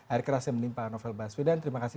air keras yang menimpa novel basuh dan terima kasih